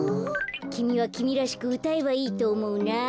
きみはきみらしくうたえばいいとおもうな。